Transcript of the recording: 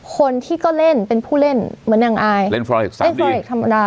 คนที่ก็เล่นเป็นผู้เล่นเหมือนอย่างอายเล่นธรรมดา